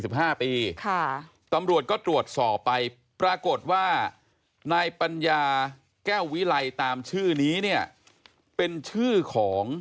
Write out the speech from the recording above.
ค่ะตำรวจก็ตรวจสอบไปปรากฏว่านายปัญญาแก้ววิไลตามชื่อนี้เนี่ยเป็นชื่อของ